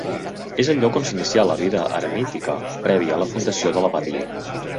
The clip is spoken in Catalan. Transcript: És el lloc on s'inicià la vida eremítica prèvia a la fundació de l'abadia.